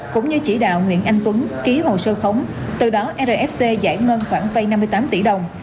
cũng như chỉ đạo nguyễn anh tuấn ký hồ sơ khống từ đó rfc giải ngân khoản vay năm mươi tám tỷ đồng